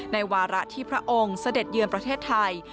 วาระที่พระองค์เสด็จเยือนประเทศไทย